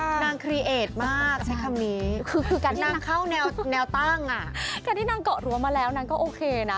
มากนางครีเอทมากใช้คำนี้นางเข้าแนวตั้งอ่ะคือการที่นางเกาะรั้วมาแล้วนางก็โอเคนะ